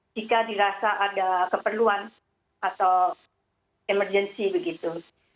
jika dirasa ada keperluan atau emergency begitu